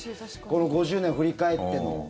この５０年振り返っての。